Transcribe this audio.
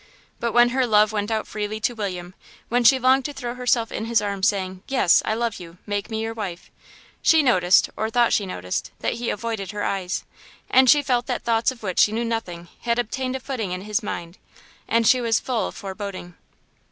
But when her love went out freely to William, when she longed to throw herself in his arms, saying, "Yes, I love you; make me your wife," she noticed, or thought she noticed, that he avoided her eyes, and she felt that thoughts of which she knew nothing had obtained a footing in his mind, and she was full of foreboding.